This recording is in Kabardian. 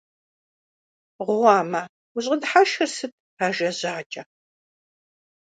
Гъуамэ! УщӀэдыхьэшхыр сыт, ажэ жьакӀэ?!